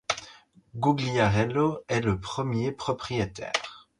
Gugliarello en est le premier propriétaire.